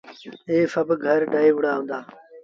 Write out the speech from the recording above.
ائيٚݩ سڀ گھر ڊهي وُهرآ هُݩدآ۔